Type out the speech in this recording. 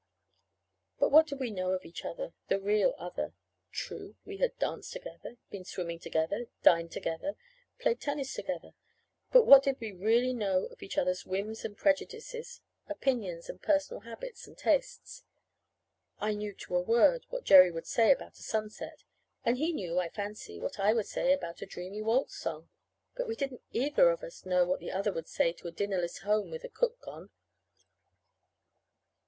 But what did we know of each other? the real other? True, we had danced together, been swimming together, dined together, played tennis together. But what did we really know of each other's whims and prejudices, opinions and personal habits and tastes? I knew, to a word, what Jerry would say about a sunset; and he knew, I fancy, what I would say about a dreamy waltz song. But we didn't either of us know what the other would say to a dinnerless home with the cook gone.